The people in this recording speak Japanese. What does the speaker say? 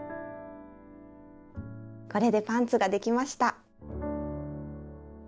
これでパンツができました。